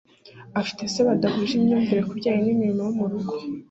Afite se badahuje imyumvire ku bijyanye n’imirimo yo mu rugo